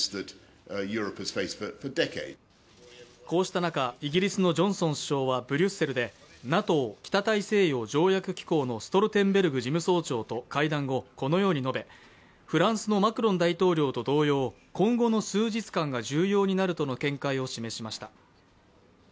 こうした中、イギリスのジョンソン首相はブリュッセルでＮＡＴＯ＝北大西洋条約機構のストルテンベルグ事務総長と会談後、このように述べ、フランスのマクロン大統領と同様、今後の数日間が重要になるとの見解を示しました。